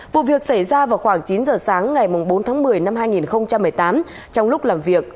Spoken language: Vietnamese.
vụ việc xảy ra vào khoảng chín giờ sáng ngày bốn tháng một mươi năm hai nghìn một mươi tám trong lúc làm việc